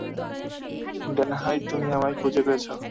ডেনহাই, তুমি আমায় খুঁজে পেয়েছ।